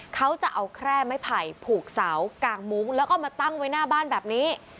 เขาจะเอาแค่ไม้ไผ่ผูกเสากางมุ้งแล้วก็มาตั้งไว้หน้าบ้านแบบนี้